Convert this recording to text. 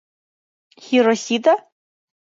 Хиросита?!